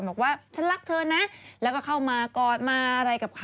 บอกว่าฉันรักเธอนะแล้วก็เข้ามากอดมาอะไรกับเขา